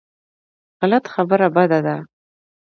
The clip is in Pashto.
غلط خبره بده ده.